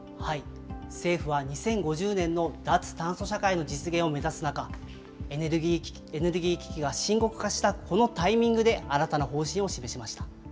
政府は２０５０年の脱炭素社会の実現を目指す中、エネルギー危機が深刻化したこのタイミングで新たな方針を示しました。